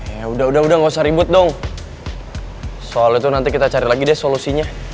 ya udah udah gak usah ribut dong soal itu nanti kita cari lagi deh solusinya